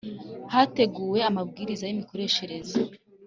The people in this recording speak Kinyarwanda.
hateguwe amabwiriza y imikoreshereze